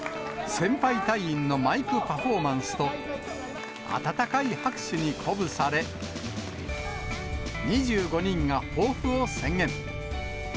先輩隊員のマイクパフォーマンスと、温かい拍手に鼓舞され、２５人が抱負を宣言。